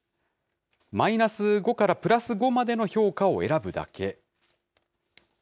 マイナス５からプラス５までの評価を選ぶだけ。